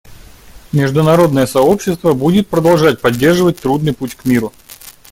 Международное сообщество будет продолжать поддерживать трудный путь к миру.